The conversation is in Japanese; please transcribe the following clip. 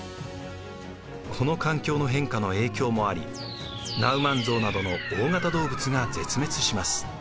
この環境の変化の影響もありナウマンゾウなどの大型動物が絶滅します。